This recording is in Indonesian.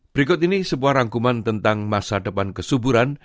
berikut ini sebuah rangkuman tentang masa depan kesuburan